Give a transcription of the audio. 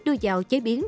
đưa vào chế biến